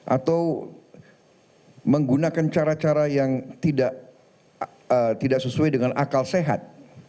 atau menggunakan cara cara yang tidak sesuai dengan akal sehat